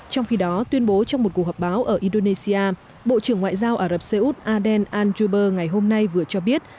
trong khi đó tuyên bố trong một cuộc họp báo ở indonesia bộ trưởng ngoại giao ả rập xê út aden al juber ngày hôm nay vừa cho biết